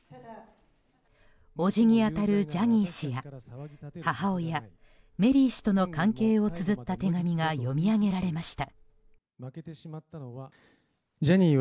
叔父に当たるジャニー氏や母親メリー氏との関係をつづった手紙が読み上げられました。